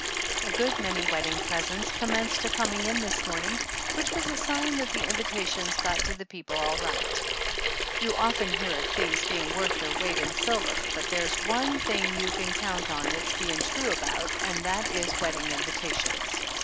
A good many wedding presents commenced to coming in this morning, which was a sign that the invitations got to the people all right. You often hear of things being worth their weight in silver, but there's one thing you can count on it's being true about and that is wedding invita tions.